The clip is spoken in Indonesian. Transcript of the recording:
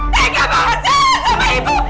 tegak bahasa sama ibu